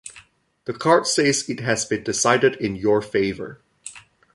The card says It has been decided in your favor.